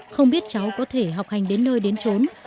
không biết cháu có thể học hành đến nơi đến chỗ nào